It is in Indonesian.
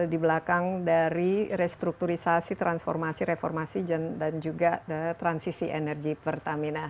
di belakang dari restrukturisasi transformasi reformasi dan juga transisi energi pertamina